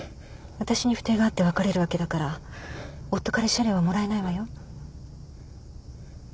私に不貞があって別れるわけだから夫から慰謝料はもらえないわよ。